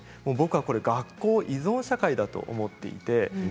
これは学校依存社会だと思っています。